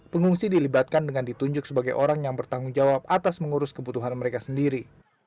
pengungsi dilibatkan dengan ditunjuk sebagai orang yang bertanggung jawab atas mengurus kebutuhan mereka sendiri